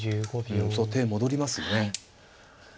うんそう手戻りますね。